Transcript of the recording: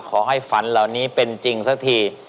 ขอให้ฝันเหล่านี้เป็นจริงซะที